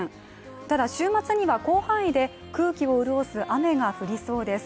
ただ、週末には広範囲で空気を潤す雨が降りそうです。